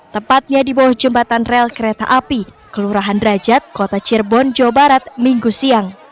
tepatnya di bawah jembatan rel kereta api kelurahan derajat kota cirebon jawa barat minggu siang